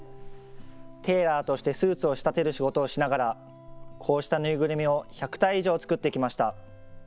テーラーとしてスーツを仕立てる仕事をしながらこうした縫いぐるみを１００体以上、作ってきました。